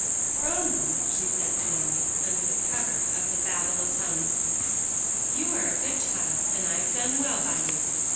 "Phronsie," she said slowly, under cover of the babel of tongues, "you are a good child, and I've done well by you.